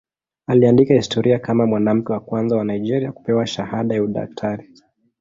Aliandika historia kama mwanamke wa kwanza wa Nigeria kupewa shahada ya udaktari.